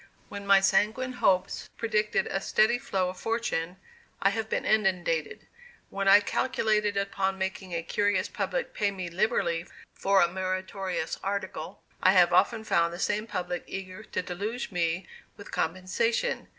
When my sanguine hopes predicted a steady flow of fortune, I have been inundated; when I calculated upon making a curious public pay me liberally for a meritorious article, I have often found the same public eager to deluge me with compensation.